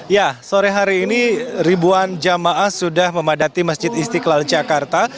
ya sore hari ini ribuan jamaah sudah memadati masjid istiqlal jakarta